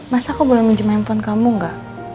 mas aku boleh minjem handphone kamu nggak